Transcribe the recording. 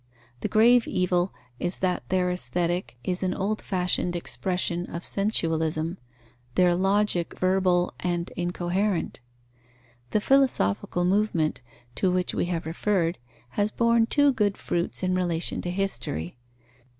The grave evil is that their Aesthetic is an old fashioned expression of sensualism, their Logic verbal and incoherent. The philosophical movement, to which we have referred, has borne two good fruits in relation to history.